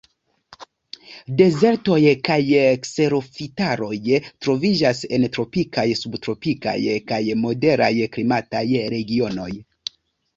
Dezertoj kaj kserofitaroj troviĝas en tropikaj, subtropikaj, kaj moderaj klimataj regionoj.